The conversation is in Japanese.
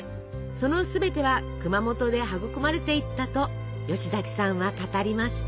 その全ては熊本で育まれていったと吉崎さんは語ります。